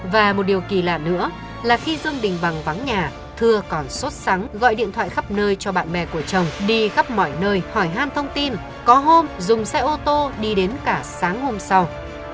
và một điều kỳ lạ nữa là khi dương đình bằng vắng nhà thưa còn sốt sáng gọi điện thoại khắp nơi cho bạn bè của chồng đi khắp mọi nơi hỏi han thông tin có hôm dùng xe ô tô đi đến cả sáng hôm sau